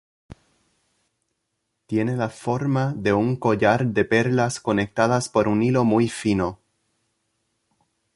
Tiene la forma de un collar de perlas conectadas por un hilo muy fino.